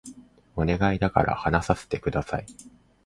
お願いだから話させて下さい